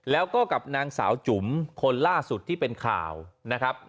แล้วก็กับนางสาวจุ๋มคนล่าสุดที่เป็นข่าวนะครับ